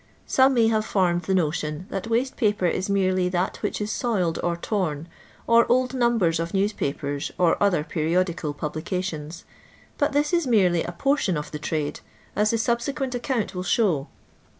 Some maj haTe formed the notion that watte paper it merely that which ii toiWd or torn, or old numbers of newspapers, or other periodiciil publications ; hot this is merely a portion of the trade, as the Mbsequent account will ahoir.